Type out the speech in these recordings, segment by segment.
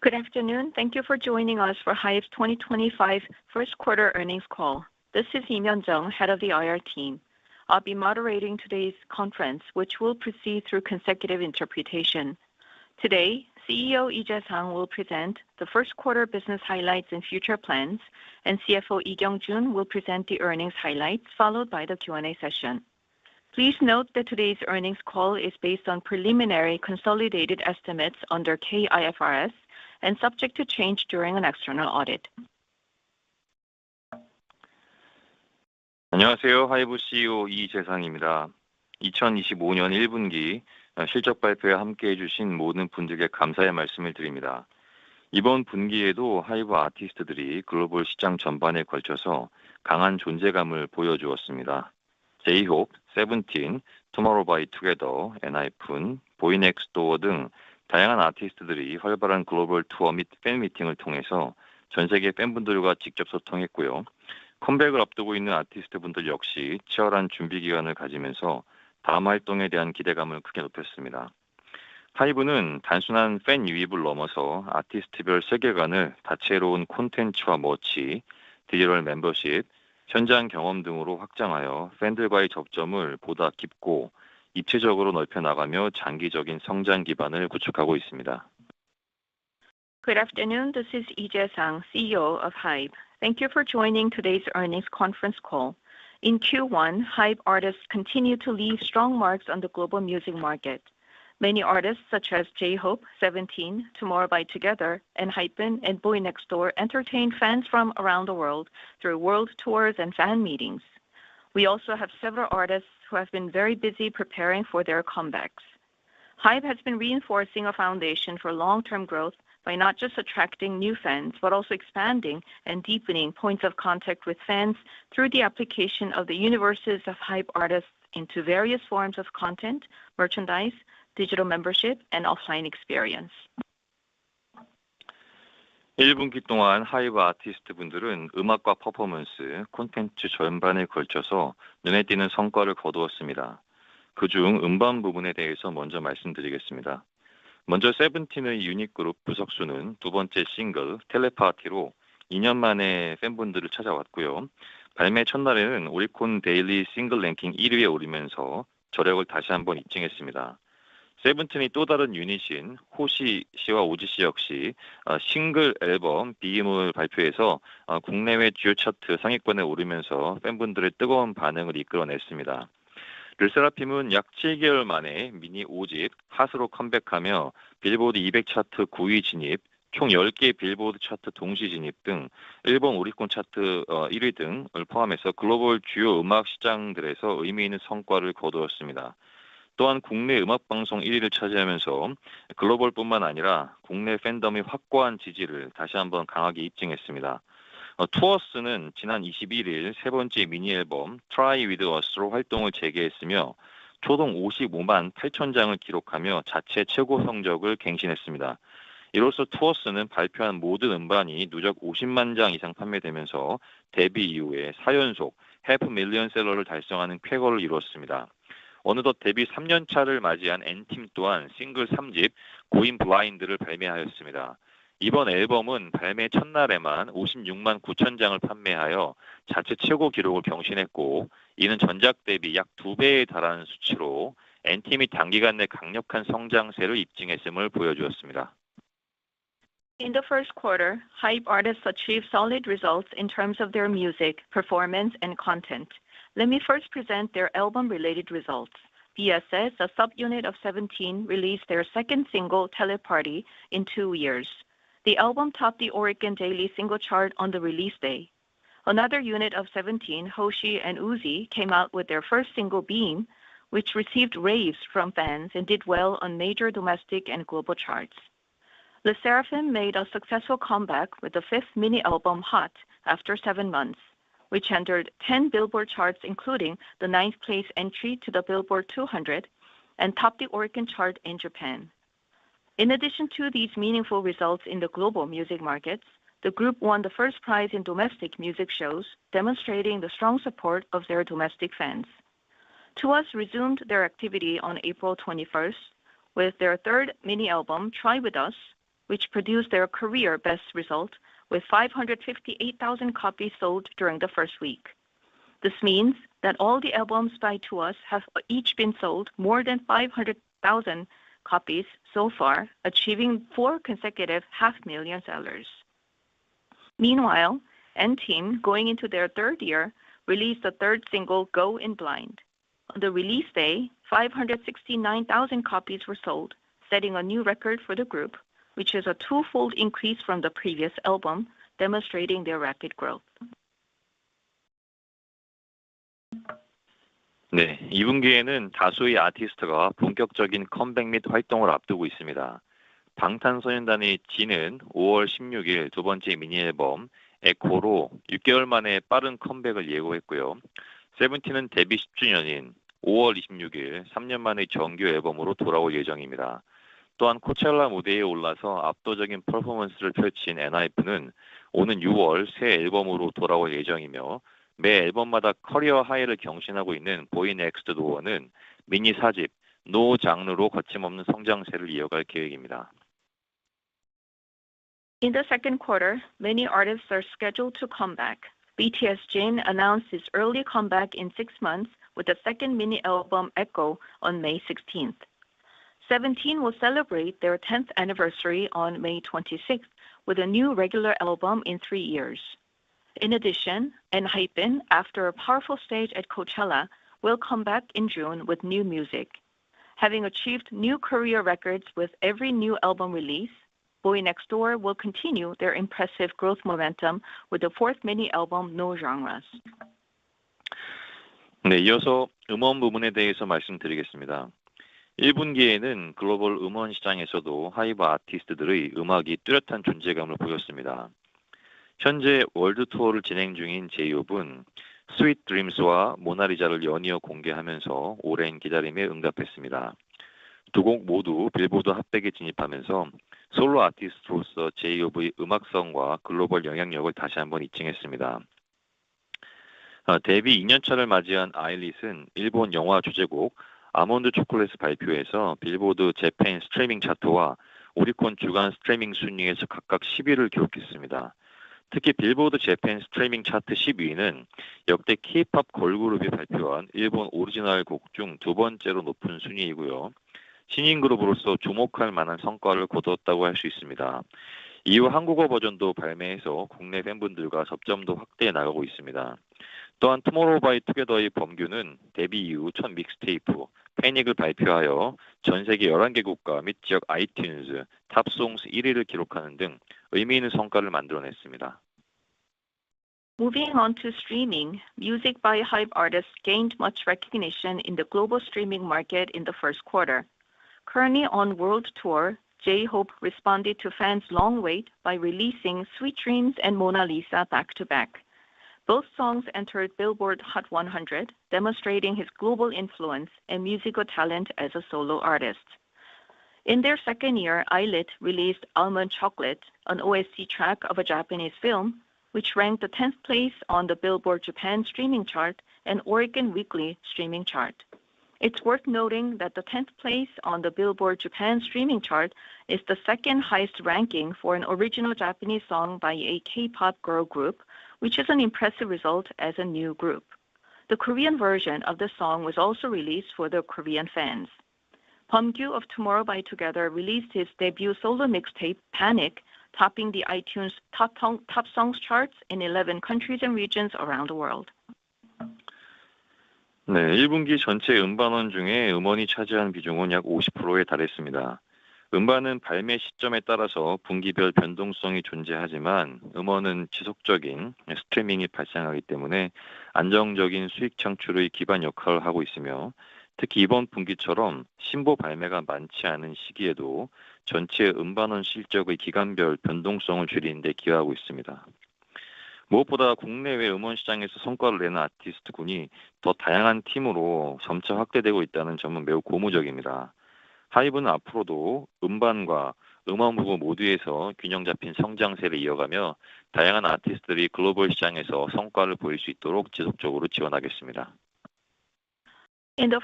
Good afternoon. Thank you for joining us for HyF twenty twenty five First Quarter Earnings Call. This is In Myun Zhong, Head of the IR team. I'll be moderating today's conference, which will proceed through consecutive interpretation. Today, CEO, Lee Jae Sang, will present the first quarter business highlights and future plans and CFO, Lee Jeong Joon will present the earnings highlights followed by the Q and A session. Please note that today's earnings call is based on preliminary consolidated estimates under K IFRS and subject to change during an external audit. Good afternoon. This is Lee Jae Sang, CEO of HYBE. Thank you for joining today's earnings conference call. In Q1, HYBE artists continued to leave strong marks on the global music market. Many artists such as J Hope, Seventeen, Tomorrow by Together, NHYPEN and Boy Next Door entertained fans from around the world through world tours and fan meetings. We also have several artists who have been very busy preparing for their comebacks. HYBE has been reinforcing a foundation for long term growth by not just attracting new fans, but also expanding and deepening points of contact with fans through the application of the universes of hype artists into various forms of content, merchandise, digital membership and offline experience. In the first quarter, HYBE artists achieved solid results in terms of their music, performance and content. Let me first present their album related results. BSS, a subunit of Seventeen released their second single Teleparty in two years. The album topped the Oregon Daily single chart on the release day. Another unit of Seventeen, Hoshi and Uzi came out with their first single Beam, which received raves from fans and did well on major domestic and global charts. The Seraphim made a successful comeback with the fifth mini album Hot after seven months, which entered 10 Billboard charts including the ninth place entry to the Billboard two hundred and topped the Oregon chart in Japan. In addition to these meaningful results in the global music markets, the group won the first prize in domestic music shows demonstrating the strong support of their domestic fans. 2US resumed their activity on April 21 with their third mini album Try With Us, which produced their career best result with 558,000 copies sold during the first week. This means that all the albums die to us have each been sold more than 500,000 copies so far achieving four consecutive 500,000 sellers. Meanwhile, Nteam going into their third year released the third single Go in Blind. On the release day 569,000 copies were sold setting a new record for the group, which is a twofold increase from the previous album demonstrating their rapid growth. In the second quarter, many artists are scheduled to come back. BTS Jin announced its early comeback in six months with the second mini album Echo on May 16. '17 will celebrate their tenth anniversary on May 26 with a new regular album in three years. In addition, ENHYPEN after a powerful stage at Coachella will come back in June with new music. Having achieved new career records with every new album release, BUY NEXT DOOR will continue their impressive growth momentum with the fourth mini album No Genres. Moving on to streaming, music by HYBE artists gained much recognition in the global streaming market in the first quarter. Currently on world tour, J Hope responded to fans long wait by releasing Sweet Dreams and Mona Lisa back to back. Both songs entered Billboard Hot 100 demonstrating his global influence and musical talent as a solo artist. In their second year, Eyelid released Almond Chocolate, an OSC track of a Japanese film, which ranked the tenth place on the Billboard Japan streaming chart and Oregon Weekly streaming chart. It's worth noting that the tenth place on the Billboard Japan streaming chart is the second highest ranking for an original Japanese song by a K pop girl group, which is an impressive result as a new group. The Korean version of the song was also released for the Korean fans. Pyeongkyu of Tomorrow by Together released its debut solo mixtape Panic topping the iTunes top songs charts in 11 countries and regions around the world. In the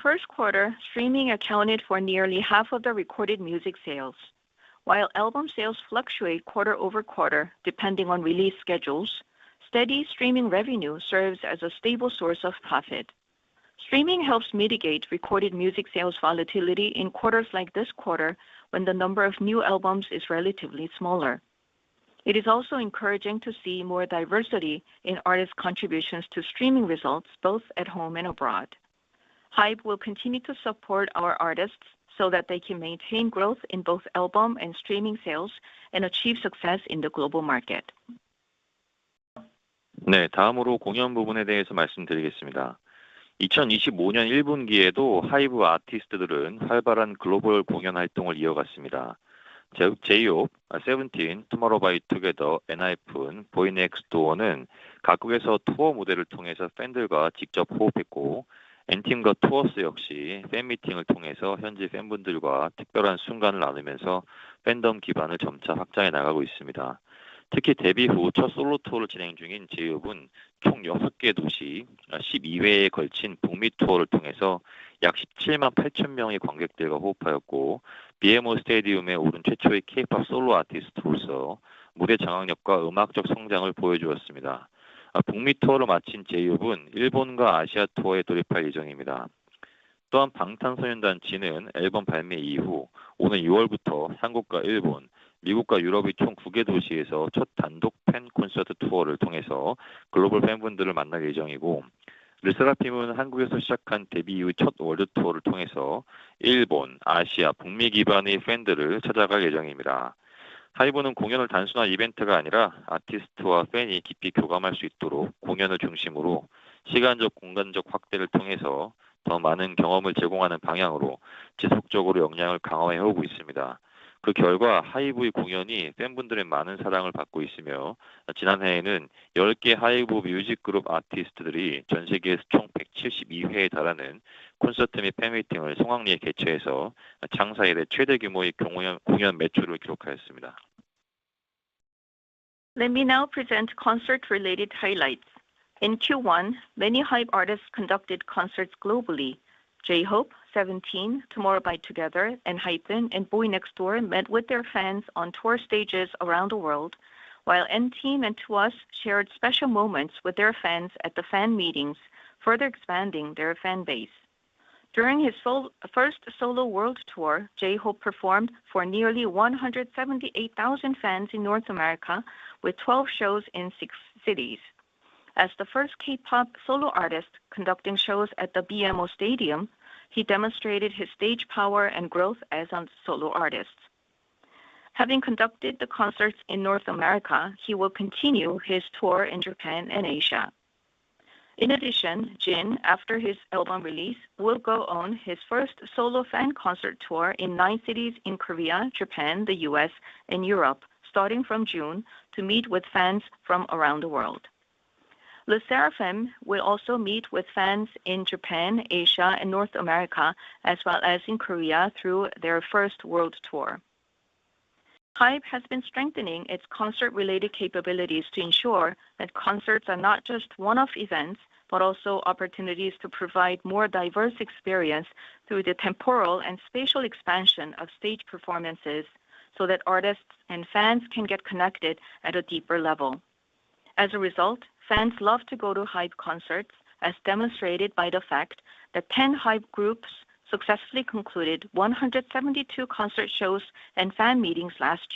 first quarter, streaming accounted for nearly half of the recorded music sales. While album sales fluctuate quarter over quarter depending on release schedules, steady streaming revenue serves as a stable source of profit. Streaming helps mitigate recorded music sales volatility in quarters like this quarter when the number of new albums is relatively smaller. It is also encouraging to see more diversity in artists' contributions to streaming results both at home and abroad. HYBE will continue to support our artists so that they can maintain growth in both album and streaming sales and achieve success in the global market. Let me now present concert related highlights. In Q1, many HYBE artists conducted concerts globally J Hope, Seventeen, Tomorrow by Together, NHYPEN and Boy Next Door met with their fans on tour stages around the world, while N Team and TWS shared special moments with their fans at the fan meetings, further expanding their fan base. During his first solo world tour, J Hope performed for nearly 178,000 fans in North America with 12 shows in six cities. As the first K pop solo artist conducting shows at the BMO Stadium, he demonstrated his stage power and growth as a solo artist. Having conducted the concerts in North America, he will continue his tour in Japan and Asia. In addition, Jin after his album release will go on his first solo fan concert tour in nine cities in Korea, Japan, The U. S. And Europe starting from June to meet with fans from around the world. Le Seraphim will also meet with fans in Japan, Asia and North America as well as in Korea through their first world tour. HYBE has been strengthening its concert related capabilities to ensure that concerts are not just one off events, but also opportunities to provide more diverse experience through the temporal and spatial expansion of stage performances, so that artists and fans can get connected at a deeper level. As a result, fans love to go to hype concerts as demonstrated by the fact that 10 hype groups successfully concluded 172 concert shows and fan meetings last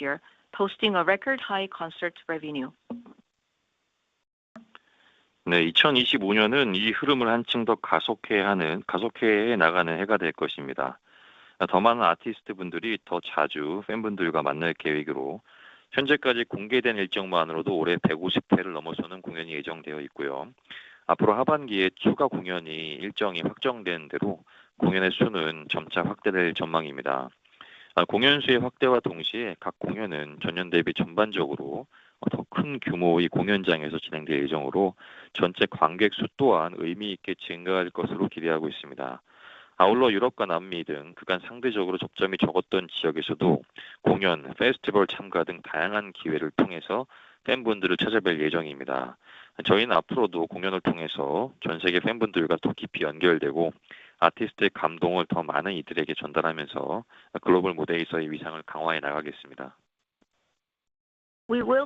year posting a record high concert revenue. We will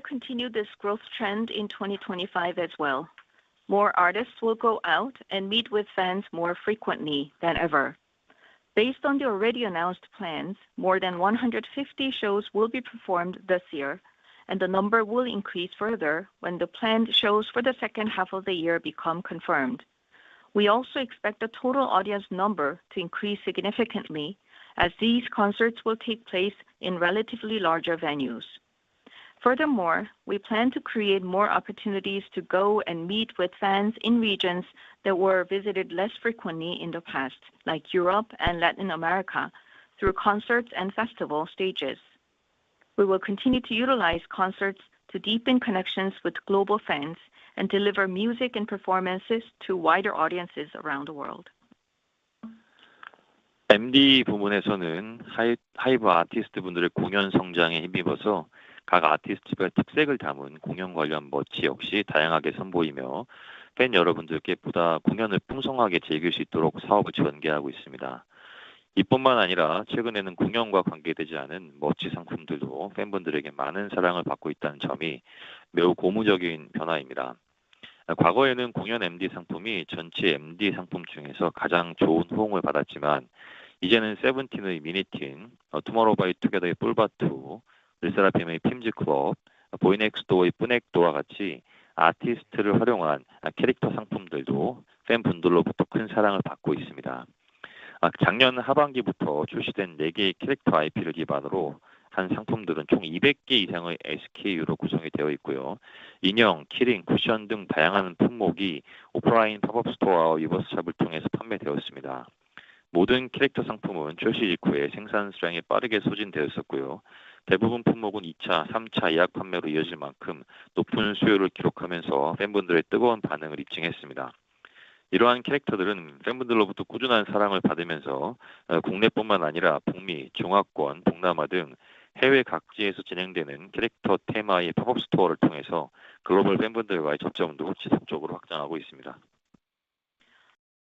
continue this growth trend in 2025 as well. More artists will go out and meet with fans more frequently than ever. Based on the already announced plans, more than 150 shows will be performed this year and the number will increase further when the planned shows for the second half of the year become confirmed. We also expect the total audience number to increase significantly as these concerts will take place in relatively larger venues. Furthermore, we plan to create more opportunities to go and meet with fans in regions that were visited less frequently in the past like Europe and Latin America through concerts and festival stages. We will continue to utilize concerts to deepen connections with global fans and deliver music and performances to wider audiences around the world.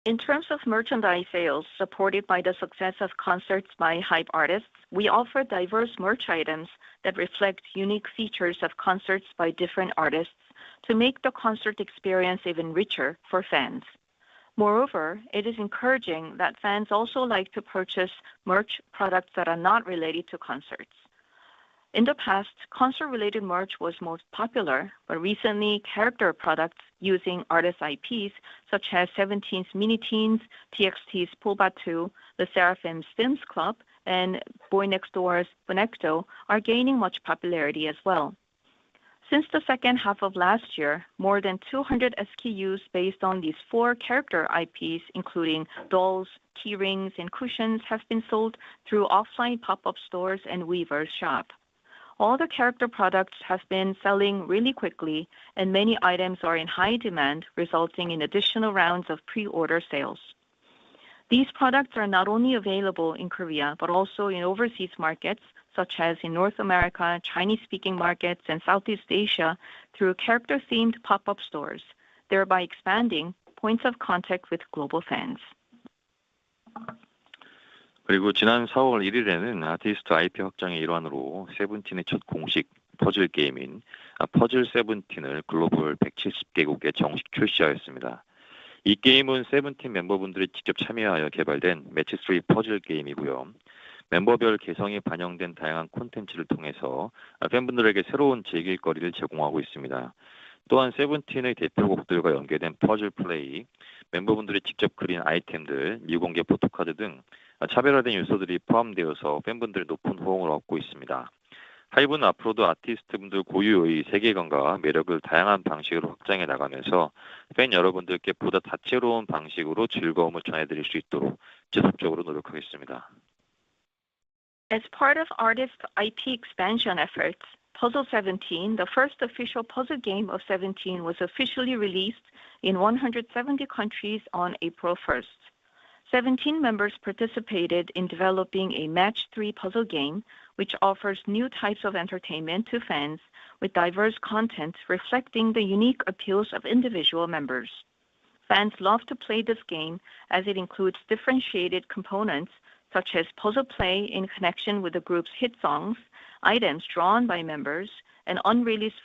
In terms of merchandise sales supported by the success of concerts by HYBE artists, we offer diverse merch items that reflect unique features of concerts by different artists to make the concert experience even richer for fans. Moreover, it is encouraging that fans also like to purchase merch products that are not related to concerts. In the past, concert related merch was most popular, but recently character products using artist IPs such as Seventeen's Miniteens, TXT's POOBATU, the Seraphim's Sims Club and Boy Next Door's Bonecto are gaining much popularity as well. Since the second half of last year, more than 200 SKUs based on these four character IPs including dolls, key rings and cushions have been sold through offline pop up stores and Weaver shop. All the character products have been selling really quickly and many items are in high demand resulting in additional rounds of pre order sales. These products are not only available in Korea, but also in overseas markets such as in North America, Chinese speaking markets and Southeast Asia through character themed pop up stores, thereby expanding points of contact with global fans. As part of ARTIF's IT expansion efforts, Puzzle 17, the first official puzzle game of 17 was officially released in 170 countries on April 1. '17 members participated in developing a match three puzzle game, which offers new types of entertainment to fans with diverse content reflecting the unique appeals of individual members. Fans love to play this game as it includes differentiated components such as puzzle play in connection with the group's hit songs, items drawn by members and unreleased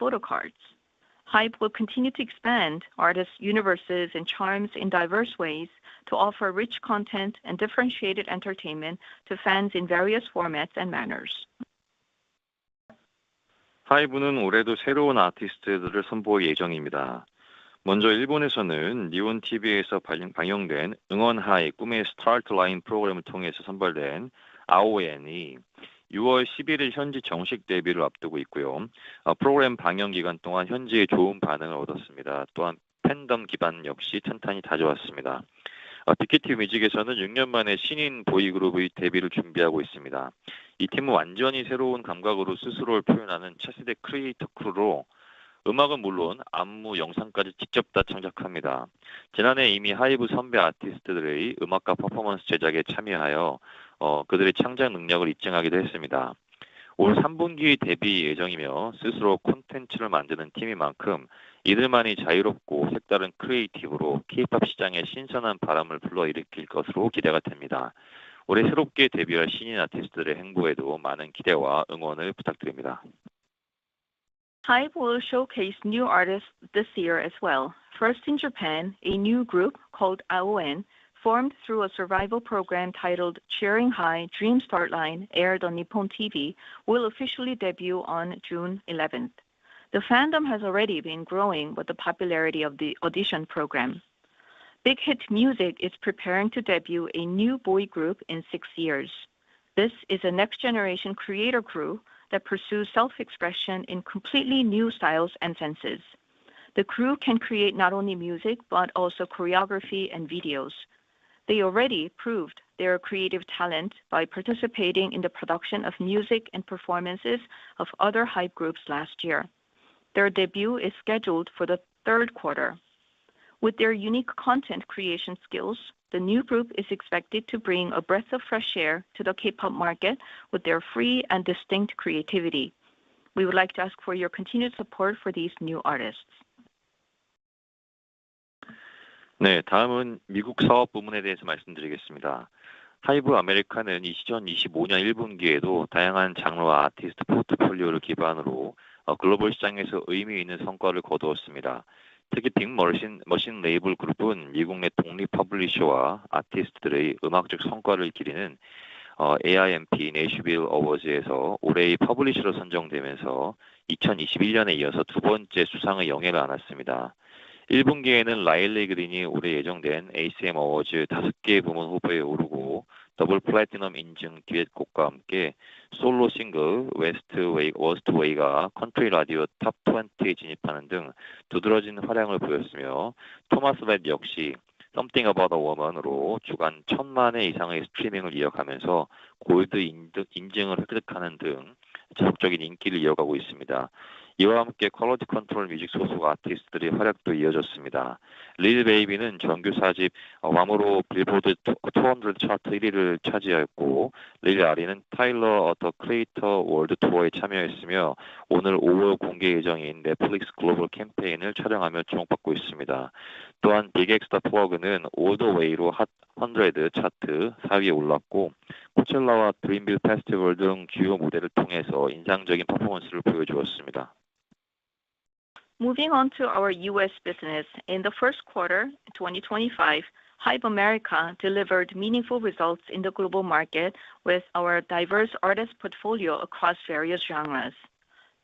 photo cards. HYBE will continue to expand artists universes and charms in diverse ways to offer rich content and differentiated entertainment to fans in various formats and manners. HYBE will showcase new artists this year as well. First in Japan, a new group called AoN formed through a survival program titled Charing High Dream Start Line aired on Nippon TV will officially debut on June 11. The fandom has already been growing with the popularity of the audition program. Big Hit Music is preparing to debut a new boy group in six years. This is a next generation creator crew that pursues self expression in completely new styles and senses. The crew can create not only music, but also choreography and videos. They already proved their creative talent by participating in the production of music and performances of other hype groups last year. Their debut is scheduled for the third quarter. With their unique content creation skills, the new group is expected to bring a breath of fresh air to the K Pop market with their free and distinct creativity. We would like to ask for your continued support for these new artists. Moving on to our U. S. Business. In the first quarter twenty twenty five, HYBE America delivered meaningful results in the global market with our diverse artist portfolio across various genres.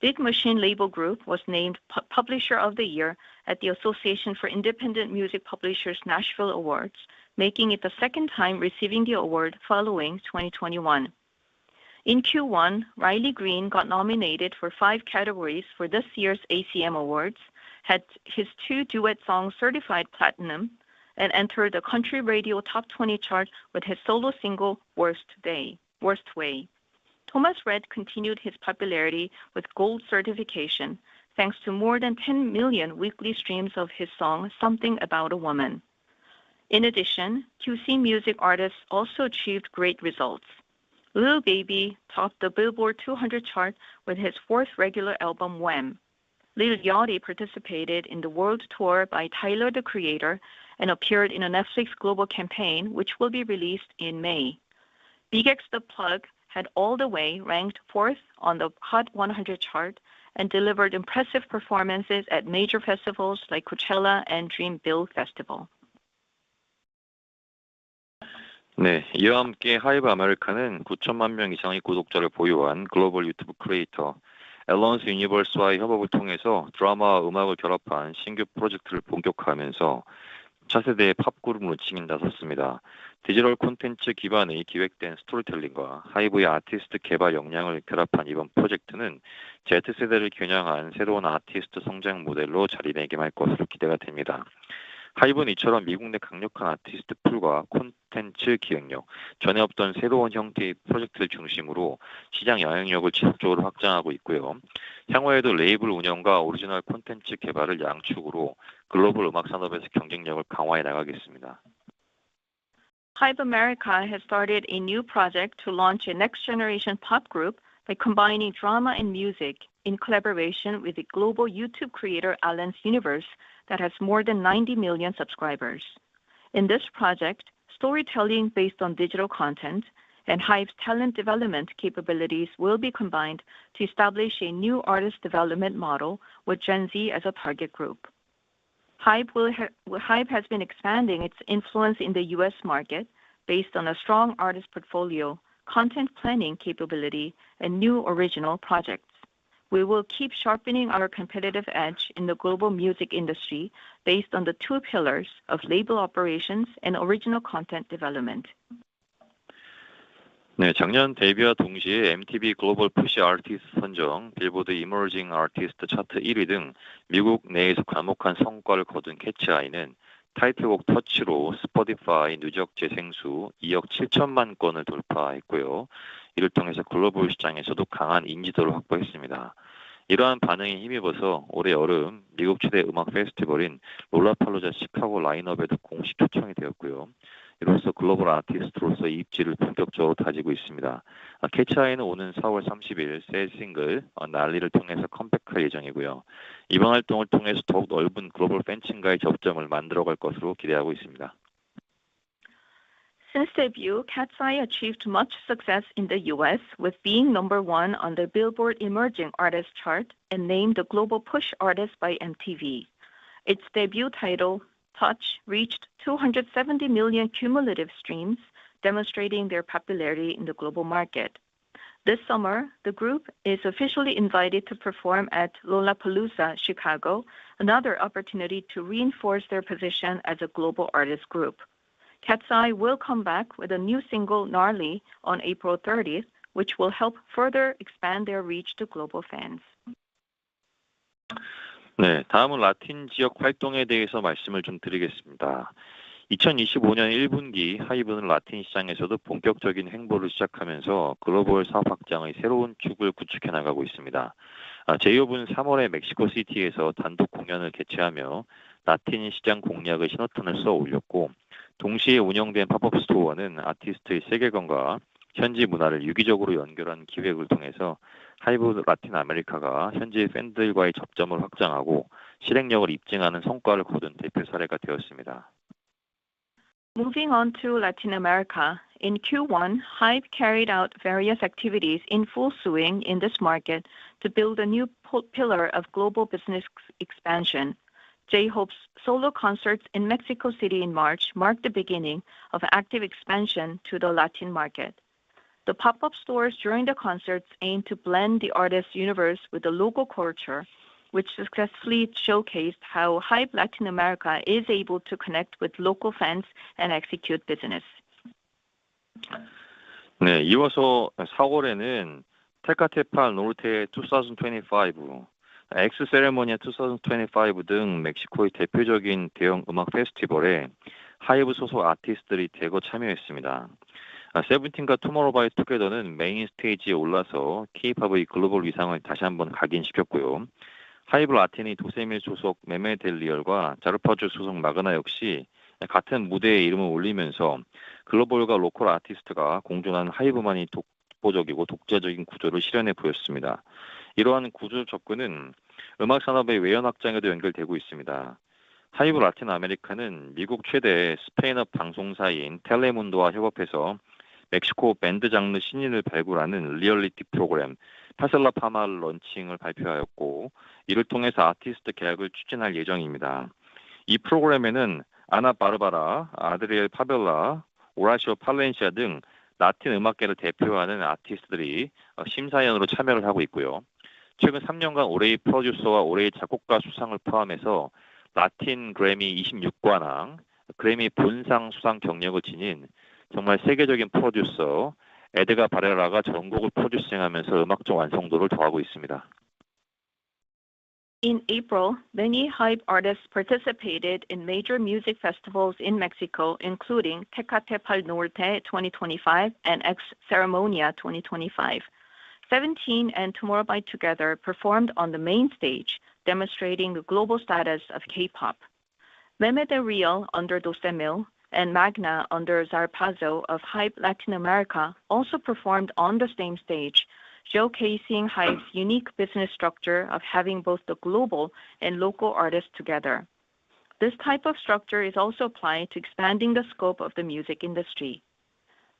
Big Machine Label Group was named Publisher of the Year at the Association for Independent Music Publishers Nashville Awards, making it the second time receiving the award following 2021. In Q1, Riley Greene got nominated for five categories for this year's ACM Awards, had his two duet songs certified platinum and entered the country radio top 20 chart with his solo single Worst Way. Thomas Red continued his popularity with gold certification, thanks to more than 10,000,000 weekly streams of his song Something About a Woman. In addition, QC music artists also achieved great results. Lil Baby topped the Billboard two hundred chart with his fourth regular album Wham. Lil Yachty participated in the world tour by Tyler the Creator and appeared in a Netflix global campaign, which will be released in May. B. X. The Plug had all the way ranked fourth on the Hot 100 chart and delivered impressive performances at major festivals like Coachella and Dream Build Festival. HYBE America has started a new project to launch a next generation pop group by combining drama and music in collaboration with a global YouTube creator, Alliance Universe that has more than 90,000,000 subscribers. In this project, storytelling based on digital content and Hive's talent development capabilities will be combined to establish a new artist development model with Gen Z as a target group. Has been expanding its influence in The U. S. Market based on a strong artist portfolio, content planning capability and new original projects. We will keep sharpening our competitive edge in the global music industry based on the two pillars of label operations and original content development. Since debut, Katsai achieved much success in The U. S. With being number one on the Billboard Emerging Artist chart and named the Global Push Artist by MTV. Its debut title Touch reached two seventy million cumulative streams demonstrating their popularity in the global market. This summer, the group is officially invited to perform at Lollapalooza Chicago, another opportunity to reinforce their position as a global artist group. Cat's Eye will come back with a new single Gnarly on April 30, which will help further expand their reach to global fans. Moving on to Latin America. In Q1, HYBE carried out various activities in full swing in this market to build a new pillar of global business expansion. J Hope's solo concerts in Mexico City in March marked the beginning of active expansion to the Latin market. The pop up stores during the concerts aim to blend the artist universe with the local culture, which successfully showcased how Hive Latin America is able to connect with local fans and execute business. In April, many hype artists participated in major music festivals in Mexico, including Tecatepal Norte twenty twenty five and X Ceremonia twenty twenty five. SEVENTEEN and Tomorrow by Together performed on the main stage demonstrating the global status of K Pop. Meme de Real under Doste Mil and Magna under Zarpazo of HYBE Latin America also performed on the same stage showcasing HYBE's unique business structure of having both the global and local artists together. This type of structure is also applied to expanding the scope of the music industry.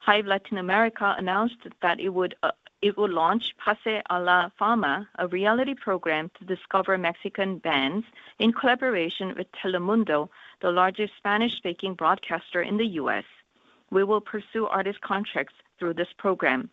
HIVE Latin America announced that it would launch Pase a la Pharma, a reality program to discover Mexican bands in collaboration with Telemundo, the largest Spanish speaking broadcaster in The U. S. We will pursue artist contracts through this program.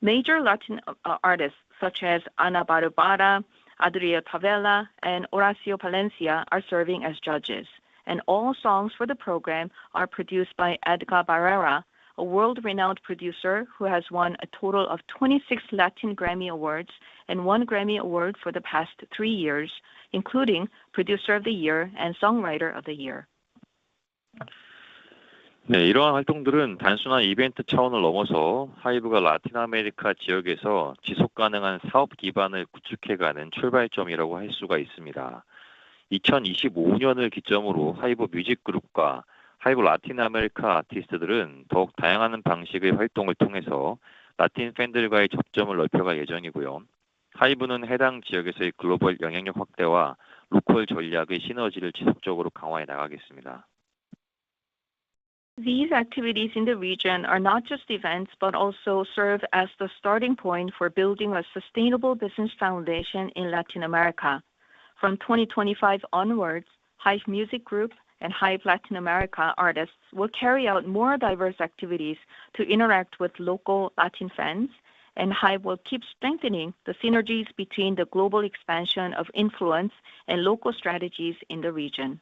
Major Latin artists such as Ana Barubara, Adria Tavela and Oracio Palencia are serving as judges. And all songs for the program are produced by Edgar Barrera, a world renowned producer who has won a total of 26 Latin Grammy Awards and one Grammy Award for the past three years including Producer of the Year and Songwriter of the Year. These activities in the region are not just events, but also serve as the starting point for building a sustainable business foundation in Latin America. From 2025 onwards, Hype Music Group and Hype Latin America artists will carry out more diverse activities to interact with local Latin fans and Hive will keep strengthening the synergies between the global expansion of influence and local strategies in the region.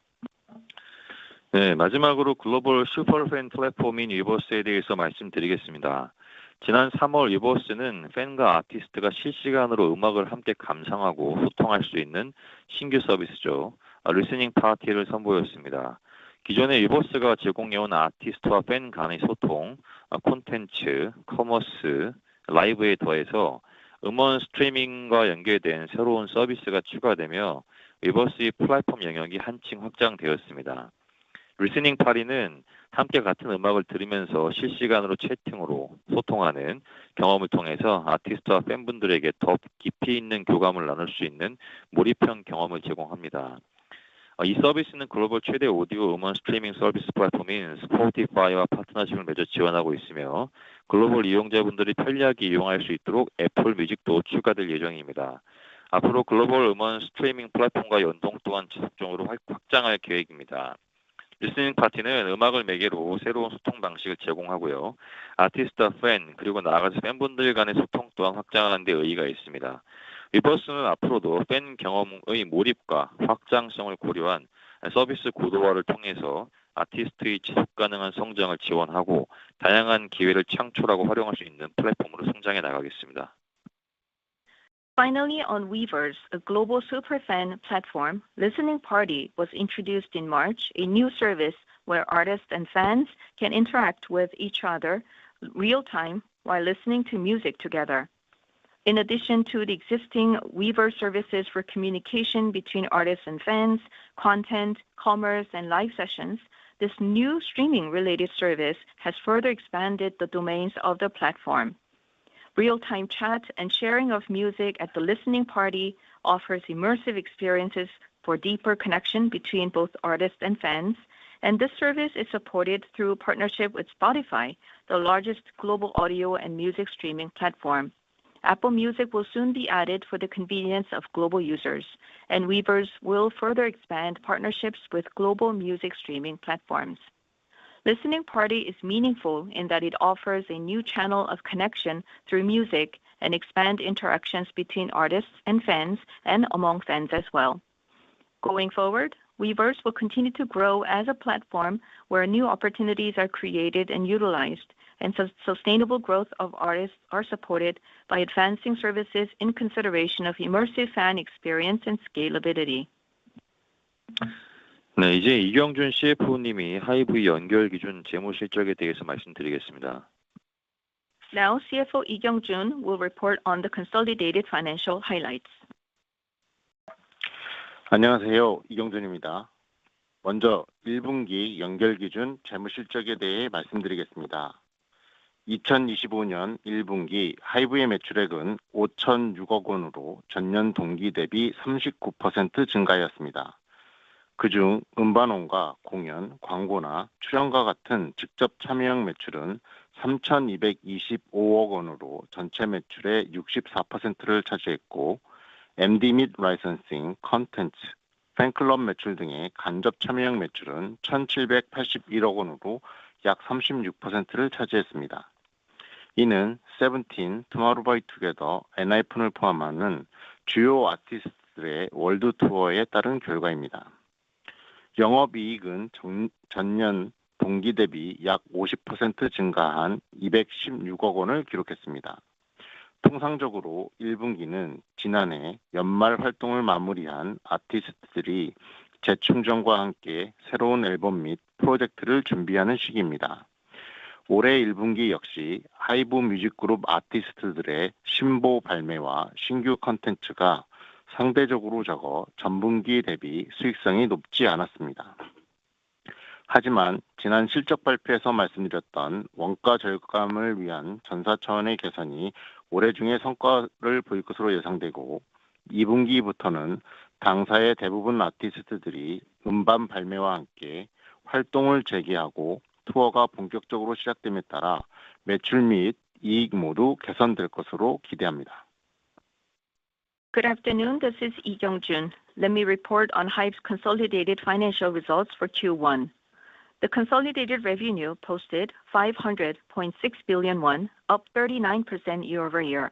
Finally on Weaver's, a global super fan platform listening party was introduced in March, a new service where artists and fans can interact with each other real time while listening to music together. In addition to the existing Weaver services for communication between artists and fans, content, commerce and live sessions, this new streaming related service has further expanded the domains of the platform. Real time chat and sharing of music at the listening party offers immersive experiences for deeper connection between both artists and fans and this service is supported through partnership with Spotify, the largest global audio and music streaming platform. Apple Music will soon be added for the convenience of global users and Weaver's will further expand partnerships with global music streaming platforms. Listening Party is meaningful and that it offers a new channel of connection through music and expand interactions between artists and fans and among fans as well. Going forward, Weverse will continue to grow as a platform where new opportunities are created and utilized and sustainable growth of artists are supported by advancing services in consideration of immersive fan experience and scalability. Now CFO, Lee Kyung Joon will report on the consolidated financial highlights. Good afternoon. This is Lee Jeong Joon. Let me report on HYBE's consolidated financial results for Q1. The consolidated revenue posted 500,600,000,000.0, up 39% year over year.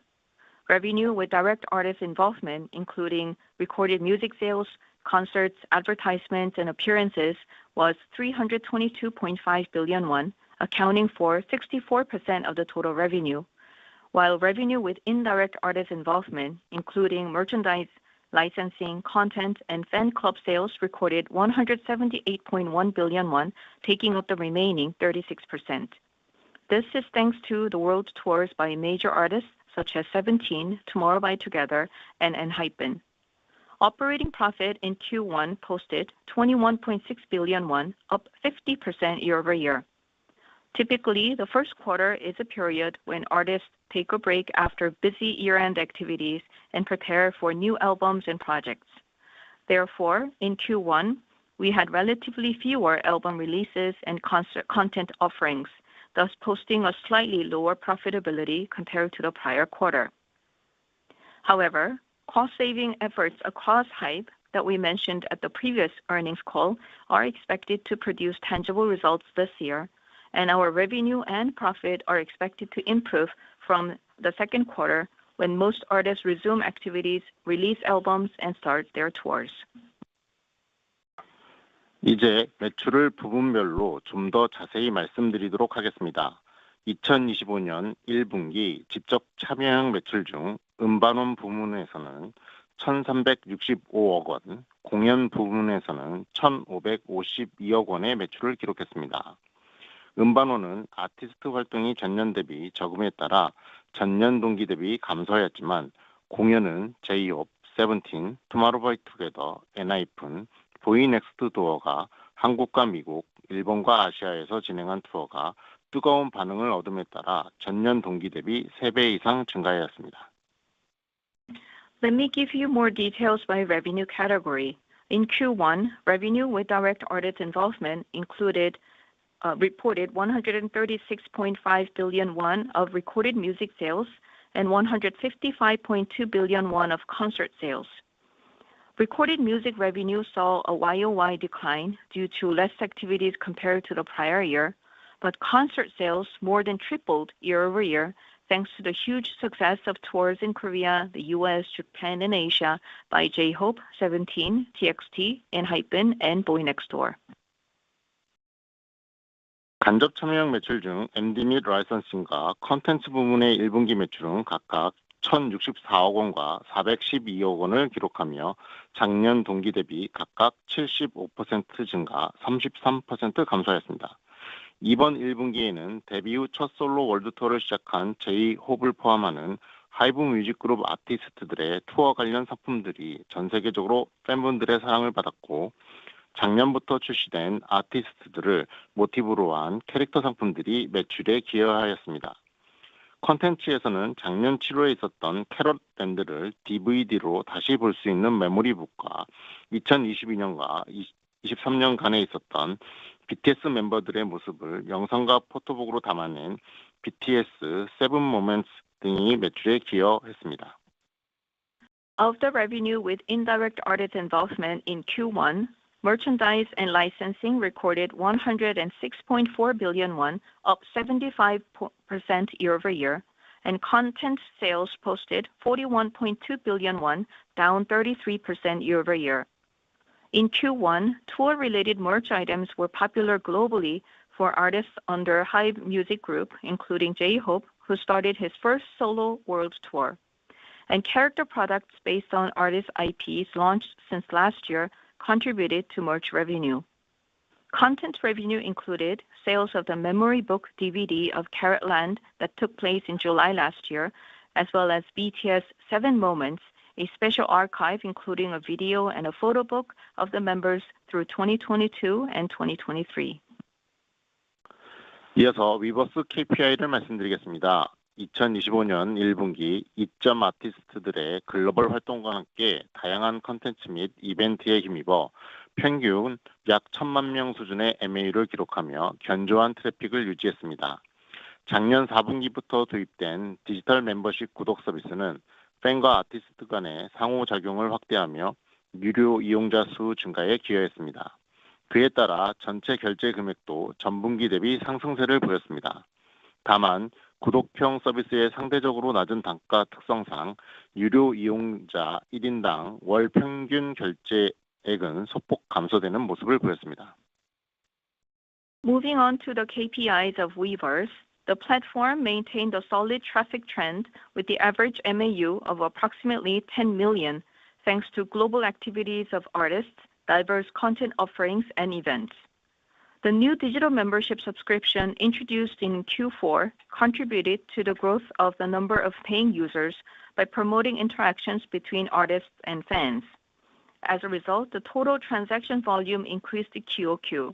Revenue with direct artist involvement including recorded music sales, concerts, advertisements and appearances was billion accounting for 64% of the total revenue, while revenue with indirect artist involvement, including merchandise, licensing, content and fan club sales recorded 178.1 billion won, taking up the remaining 36%. This is thanks to the world tours by major artists such as Seventeen, Tomorrow by Together and ENHYPEN. Operating profit in Q1 posted billion, up 50% year over year. Typically, the first quarter is a period when artists take a break after busy year end activities and prepare for new albums and projects. Therefore, in Q1, we had relatively fewer album releases and content offerings, thus posting a slightly lower profitability compared to the prior quarter. However, cost saving efforts across Hype that we mentioned at the previous earnings call are expected to produce tangible results this year and our revenue and profit are expected to improve from the second quarter when most artists resume activities, release albums and start their tours. Let me give you more details by revenue category. In Q1 revenue with direct artist involvement included reported 136.5 billion won of recorded music sales and 155.2 billion won of concert sales. Recorded music revenue saw a Y o Y decline due to less activities compared to the prior year, but concert sales more than tripled year over year, thanks to the huge success of tours in Korea, The U. S, Japan and Asia by J Hope, seventeen, TXT, NHYPEN and Boeing Next Door. Of the revenue with indirect audit involvement in Q1, merchandise and licensing recorded billion, up 75% year over year and content sales posted billion, down 33 year over year. In Q1, tour related merch items were popular globally for artists under Hive Music Group, including J Hope, who started his first solo world tour. And character products based on artist IPs launched since last year contributed to merch revenue. Content revenue included sales of the memory book DVD of Carrotland that that took place in July as well as BTS seven Moments, a special archive including a video and a photo book of the members through 2022 and 2023. Moving on to the KPIs of Weverse, the platform maintained a solid traffic trend with the average MAU of approximately 10,000,000, thanks to global activities of artists, diverse content offerings and events. The new digital membership subscription introduced in Q4 contributed to the growth of the number of paying users by promoting interactions between artists and fans. As a result, the total transaction volume increased Q o Q.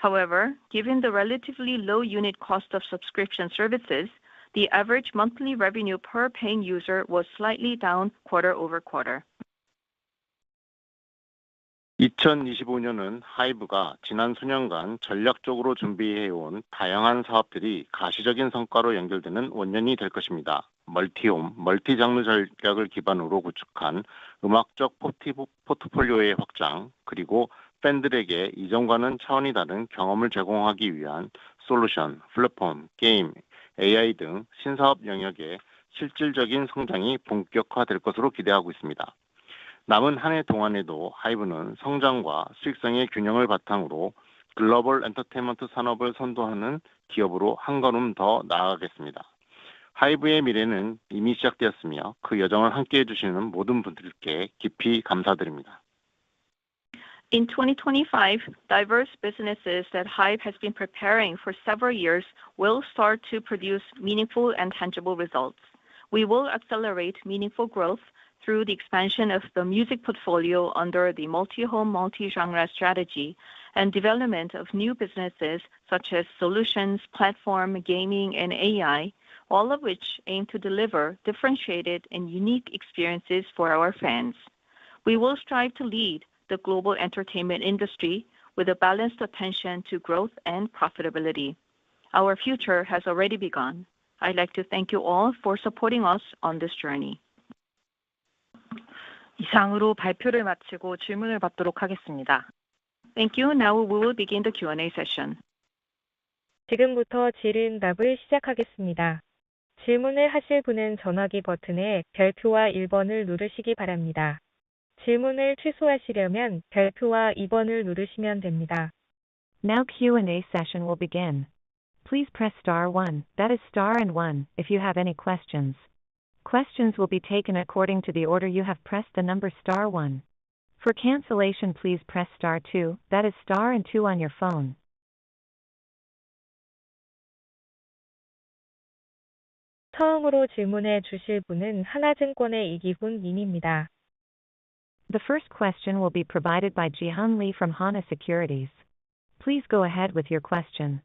However, given the relatively low unit cost of subscription services, the average monthly revenue per paying user was slightly down quarter over quarter. In 2025, diverse businesses that HYBE has been preparing for several years will start to produce meaningful and tangible results. We will accelerate meaningful growth through the expansion of the music portfolio under the multi home multi genre strategy and development of new businesses such as solutions, platform, gaming and AI, all of which aim to deliver differentiated and unique experiences for our fans. We will strive to lead the global entertainment industry with a balanced attention to growth and profitability. Our future has already begun. I'd like to thank you all for supporting us on this journey. Thank you. Now we will begin the Q and A session. Now q and a session will begin. Please press 1. That is 1 if you have any questions. Questions will be taken according to the order you have pressed the number 1. For cancellation, please press 2. That is 2 on your phone. The first question will be provided by Jihan Lee from Hana Securities. Please go ahead with your question.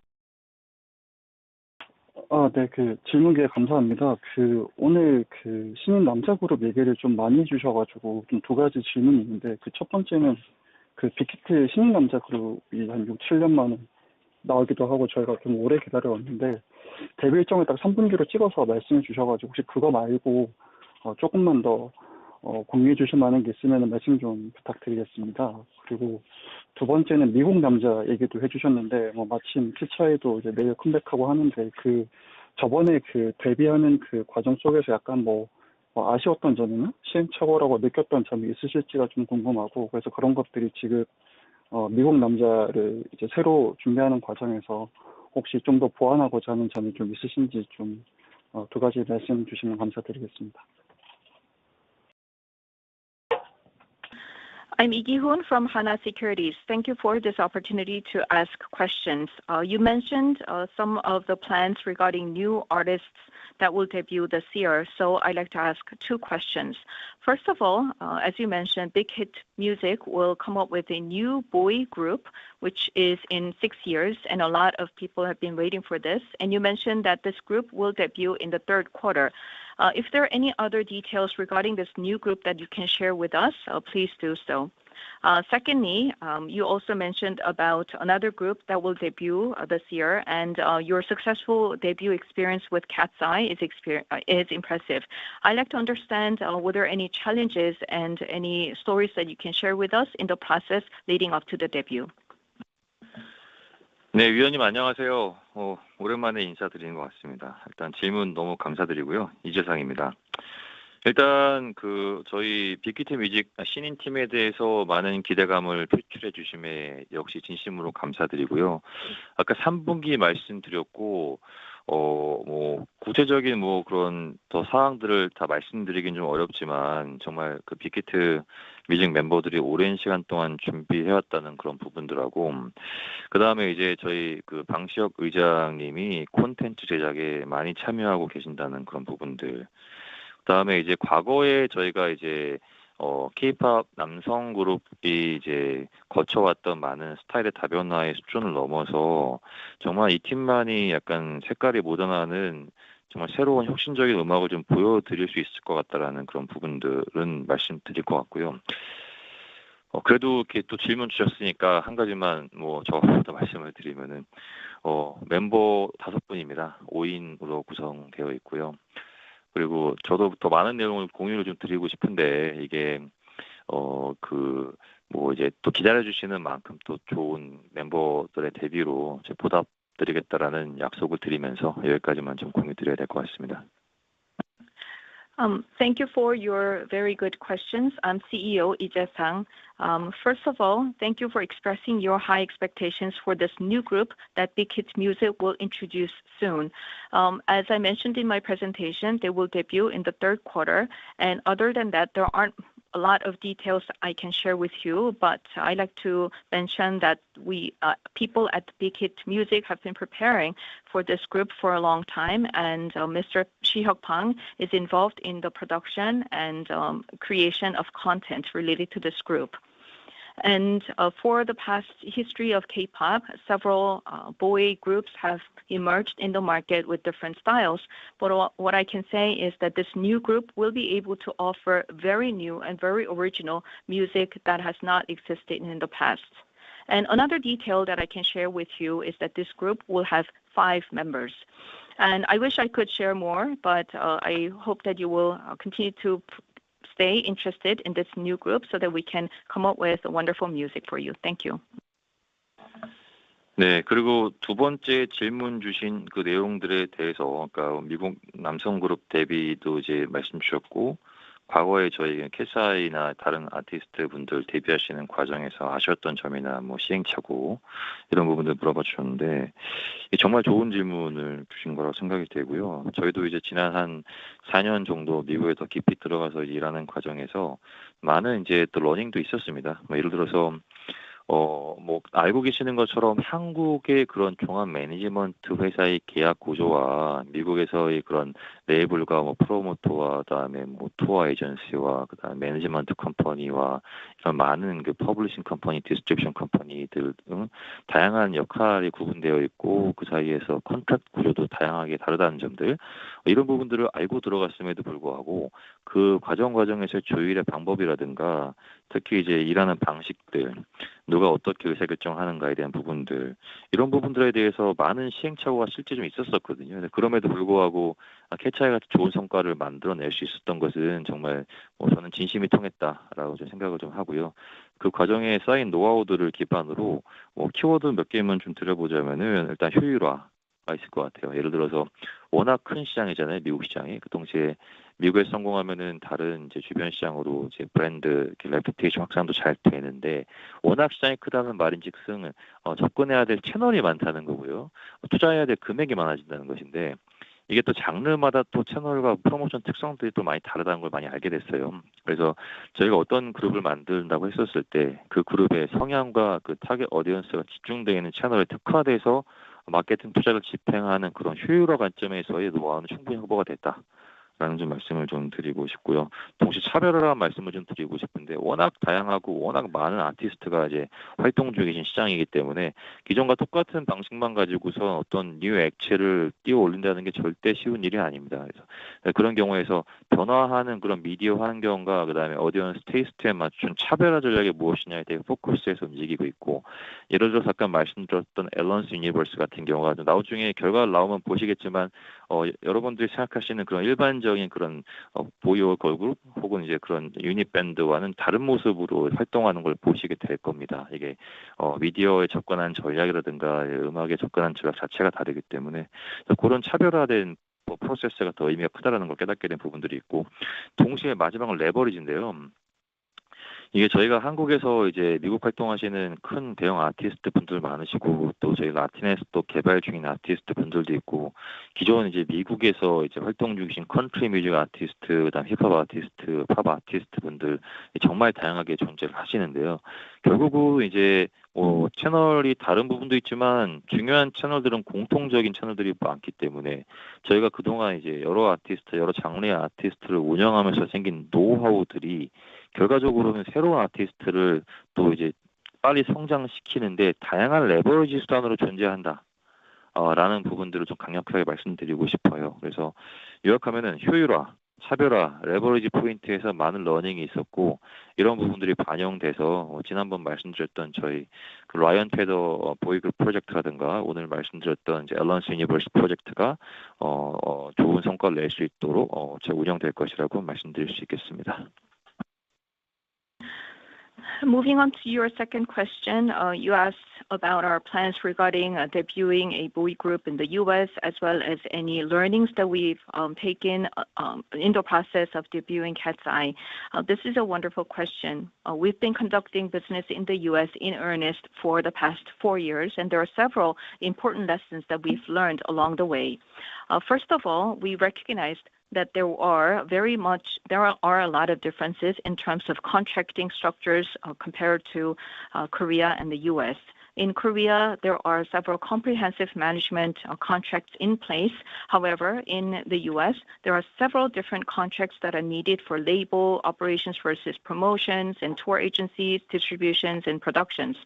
I'm Yeehoon from HANA Securities. Thank you for this opportunity to ask questions. You mentioned some of the plans regarding new artists that will debut this year, so I'd like to ask two questions. First of all, as you mentioned, Big Hit Music will come up with a new boy group, which is in six years and a lot of people have been waiting for this. And you mentioned that this group will debut in the third quarter. If there are any other details regarding this new group that you can share with us, please do so. Secondly, you also mentioned about another group that will debut this year and your successful debut experience with Cat's Eye is impressive. I'd like to understand were there any challenges and any stories that you can share with us in the process leading up to the debut? Thank you for your very good questions. I'm CEO, Lee Jae Sang. First of all, thank you for expressing your high expectations for this new group that Big Kids Music will introduce soon. As I mentioned in my presentation, they will debut in the third quarter and other than that there aren't a lot of details I can share with you, but I'd like to mention that we people at Big Kids Music have been preparing for this group for a long time and Mr. Shi Hyuk Pang is involved in the production and creation of content related to this group. And for the past history of K Pop several boy groups have emerged in the market with different styles. But what I can say is that this new group will be able to offer very new and very original music that has not existed in the past. And another detail that I can share with you is that this group will have five members. And I wish I could share more, but I hope that you will continue to stay interested in this new group so that we can come up with a wonderful music for you. Thank you. Moving on to your second question, you asked about our plans regarding debuting a buoy group in The U. S. As well as any learnings that we've taken in the process of debuting Cat's Eye. This is a wonderful question. We've been conducting business in The U. S. In earnest for the past four years and there are several important lessons that we've learned along the way. First of all, we recognized that there are very much there are a lot of differences in terms of contracting structures compared to Korea and The U. S. In Korea, there are several comprehensive management contracts in place. However, in The U. S, there are several different contracts that are needed for label operations versus promotions and tour agencies, distributions and productions.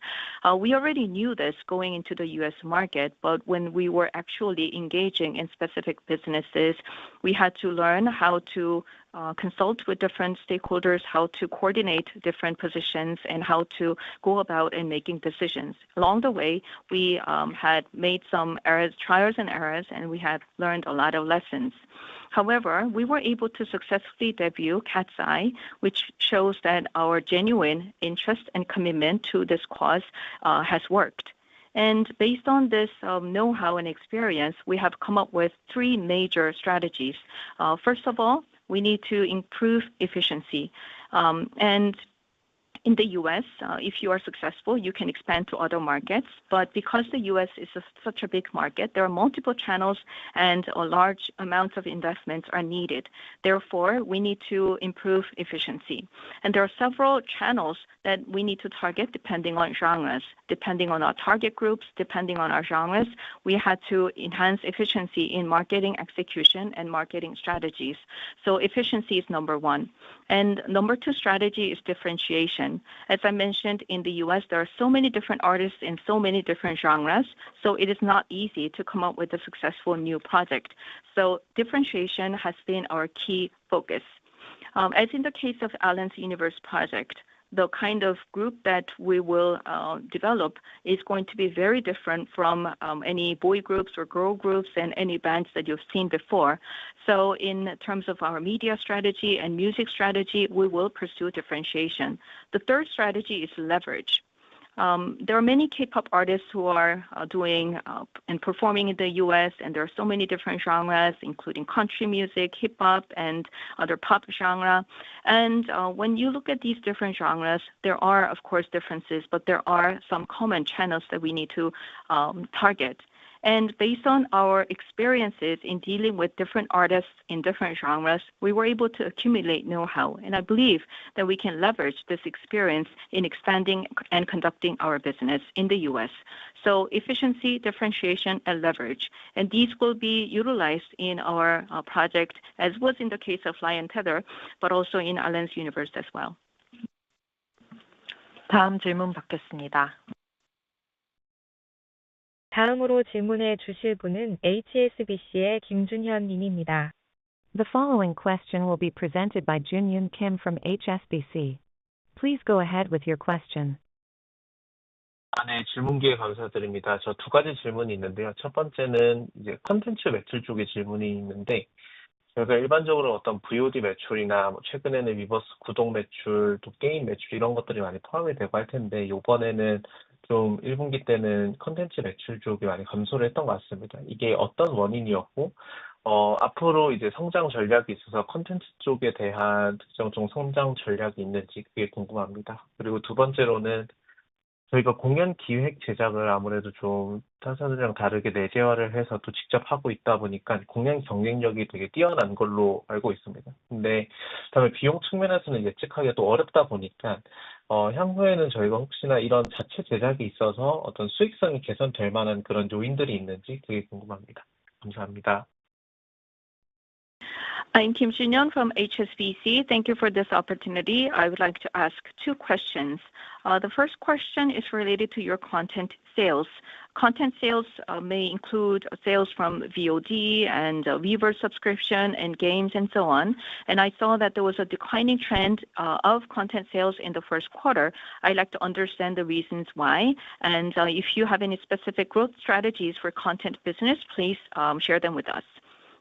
We already knew this going into The U. S. Market, but when we were actually engaging in specific businesses, we had to learn how to consult with different stakeholders, how to coordinate different positions and how to go about in making decisions. Along the way, we had made some errors, trials and errors and we have learned a lot of lessons. However, we were able to successfully debut Cat's Eye, which shows that our genuine interest and commitment to this cause has worked. And based on this know how and experience, we have come up with three major strategies. First of all, we need to improve efficiency. And in The U. S. If you are successful, you can expand to other markets, but because The U. S. Is such a big market, there are multiple channels and a large amount of investments are needed. Therefore, we need to improve efficiency. And there are several channels that we need to target depending on genres, depending on our target groups, depending on our genres, we had to enhance efficiency in marketing execution and marketing strategies. So efficiency is number one. And number two strategy is differentiation. As I mentioned in The U. S. There are so many different artists in so many different genres. So it is not easy to come up with a successful new project. So differentiation has been our key focus. As in the case of Allen's Universe project, the kind of group that we will develop is going to be very different from any boy groups or girl groups and any bands that you've seen before. So in terms of our media strategy and music strategy, we will pursue differentiation. The third strategy is leverage. There are many K pop artists who are doing and performing in The U. S. And there are so many different including country music, hip hop and other pop genre. And when you look at these different genres, there are of course differences, but there are some common channels that we need to target. And based on our experiences in dealing with different artists in different genres, we were able to accumulate know how and I believe that we can leverage this experience in expanding and conducting our business in The U. S. So efficiency, differentiation and leverage and these will be utilized in our project as was in the case of Fly and Tether, but also in Alliance Universe as well. The following question will be presented by Joon Yoon Kim from HSBC. Please go ahead with your question. I'm Kim Shin Young from HSBC. Thank you for this opportunity. I would like to ask two questions. The first question is related to your content sales. Content sales may include sales from VOD and weaver subscription and games and so on. And I saw that there was a declining trend of content sales in the first quarter. I'd like to understand the reasons why. And if you have any specific growth strategies for content business, please share them with us.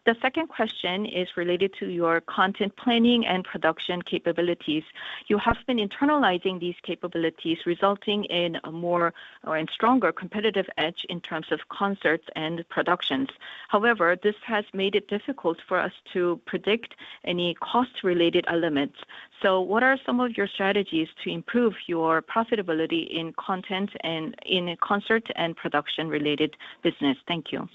The second question is related to your content planning and production capabilities. You have been internalizing these capabilities resulting in a more or in stronger competitive edge in terms of concerts and productions. However, this has made it difficult for us to predict any cost related elements. So what are some of your strategies to improve your profitability in content and in concert and production related business? Thank you.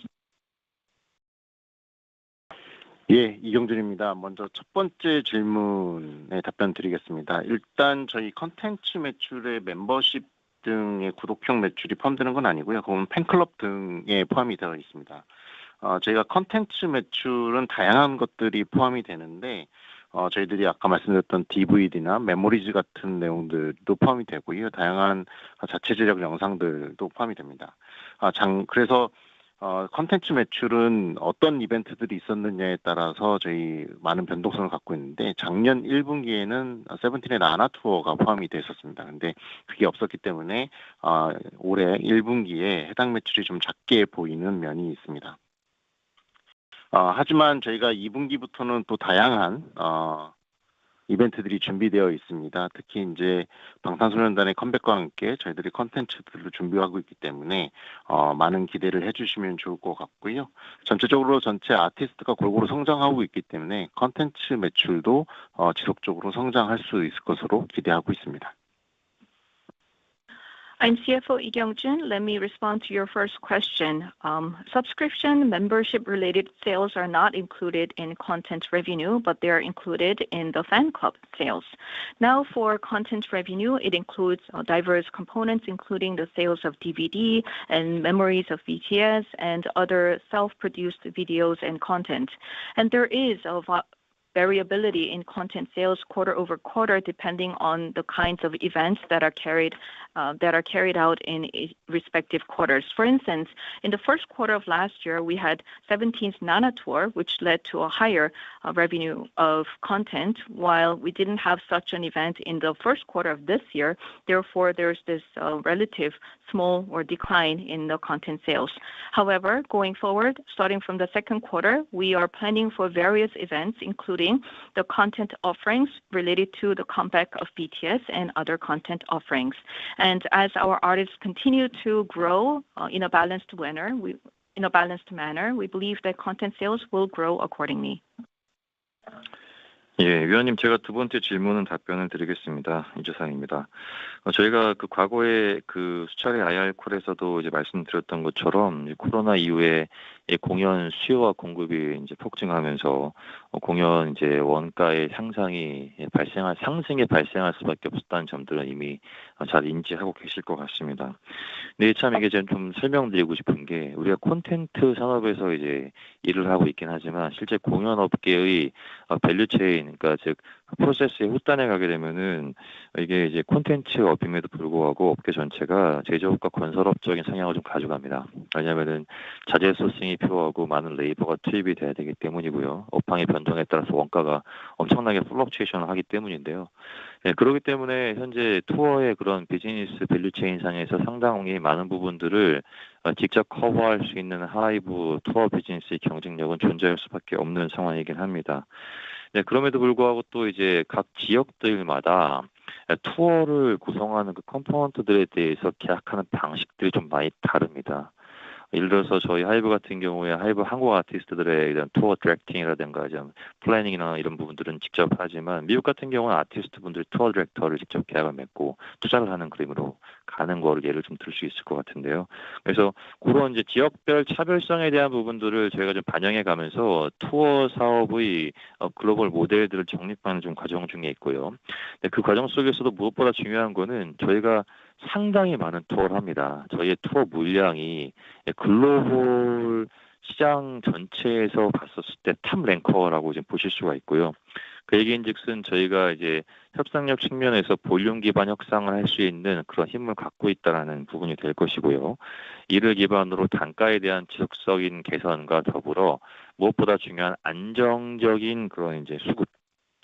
I'm CFO, Lee Kyung Jun. Let me respond to your first question. Subscription membership related sales are not included in content revenue, but they are included in the Fan Club sales. Now for content revenue, it includes diverse components including the sales of DVD and memories of VTS and other self produced videos and content. And there is variability in content sales quarter over quarter depending on the kinds of events that are carried out in respective quarters. For instance, in the first quarter of last year, we had seventeenth Nana Tour, which led to a higher revenue of content, while we didn't have such an event in the first quarter of this year. Therefore, there's this relative small or decline in the content sales. However, going forward, starting from the second quarter, we are planning for various events including the content offerings related to the comeback of BTS and other content offerings. And as our artists continue to grow in a balanced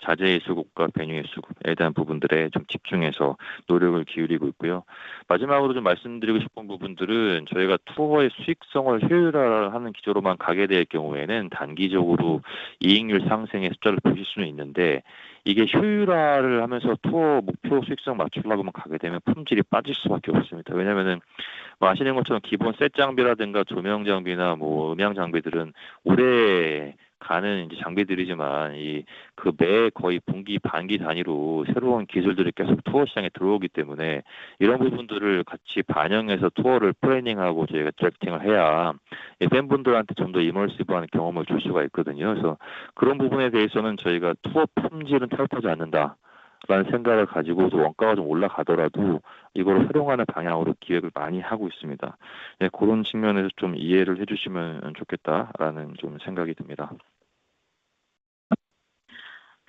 manner, we believe that content sales will grow accordingly.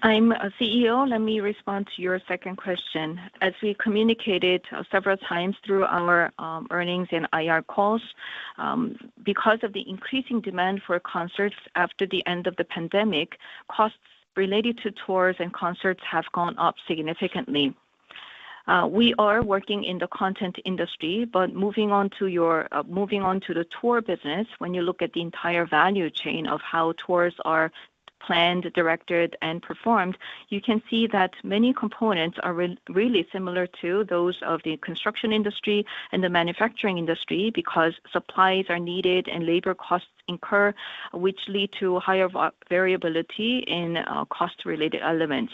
I'm CEO. Let me respond to your second question. As we communicated several times through our earnings and IR calls, because of the increasing demand for concerts after the end of the pandemic, costs related to tours and concerts have gone up significantly. We are working in the content industry, but moving on to the tour business, when you look at the entire value chain of how tours are planned, directed and performed, you can see that many components are really similar to those of the construction industry and the manufacturing industry because supplies are needed and labor costs incur, which lead to higher variability in cost related elements.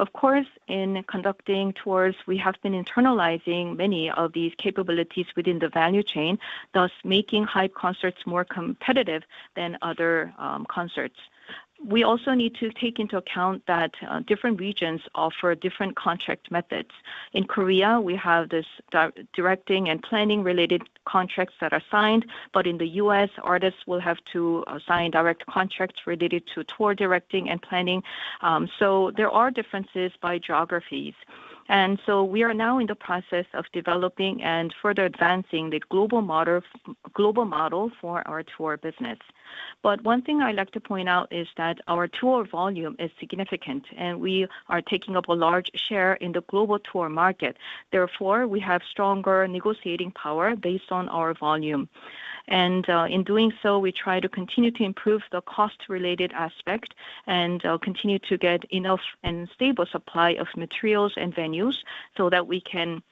Of course in conducting tours we have been internalizing many of these capabilities within the value chain thus making hype concerts more competitive than other concerts. We also need to take into account that different regions offer different contract methods. In Korea, we have this directing and planning related contracts that are signed, but in The U. S. Artists will have to sign direct contracts related to tour directing and planning. So there are differences by geographies. And so we are now in the process of developing and further advancing the global model for our tour business. But one thing I'd like to point out is that our tour volume is significant and we are taking up a large share in the global tour market. Therefore, we have stronger negotiating power based on our volume. And in doing so, we try to continue to improve the cost related aspect and continue to get enough and stable supply of materials and venues, so that we can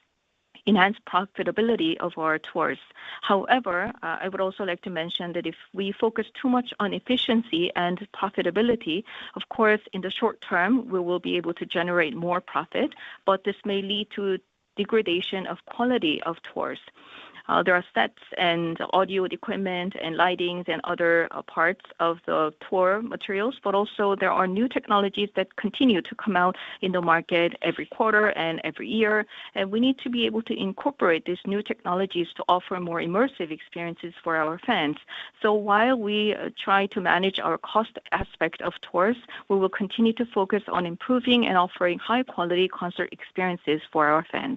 enhance profitability of our tours. However, I would also like to mention that if we focus too much on efficiency and profitability, of course in the short term, we will be able to generate more profit, but this may lead to degradation of quality of tours. There are sets and audio equipment and lightings and other parts of the tour materials, but also there are new technologies that continue to come out in the market every quarter and every year. And we need to be able to incorporate these new technologies to offer more immersive experiences for our fans. So while we try to manage our cost aspect of tours, we will continue to focus on improving and offering high quality concert experiences for our fans.